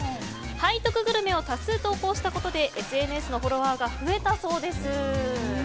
背徳グルメを多数投稿したことでＳＮＳのフォロワーが増えたそうです。